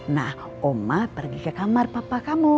nah oma pergi ke kamar papa kamu